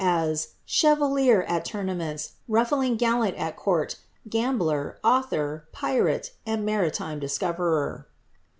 a; "chevalier at lournameiits, ruffling gallant at court, gambler, auih^ir. pimie, and marhime discoverer."